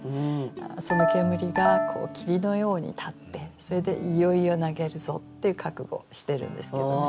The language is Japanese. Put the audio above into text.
その煙が霧のように立ってそれでいよいよ投げるぞって覚悟をしてるんですけどね。